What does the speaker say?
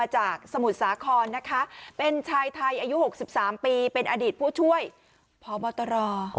สมุทรสาครนะคะเป็นชายไทยอายุ๖๓ปีเป็นอดีตผู้ช่วยพบตร